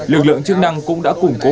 lực lượng chức năng cũng đã củng cố